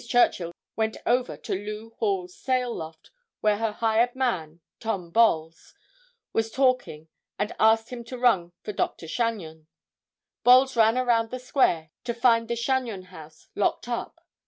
Churchill then went over to Lew Hall's sail loft, where her hired man, Tom Bolles, was talking and asked him to run for Dr. Chagnon. Bolles ran around the square to find the Chagnon house locked up.